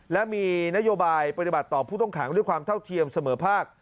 และมีนโยบายปฏิบัติต่อผู้ต้องขังด้วยความเท่าเทียมเสมอภาค